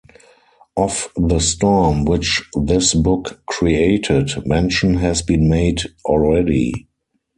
Of the storm which this book created mention has been made already.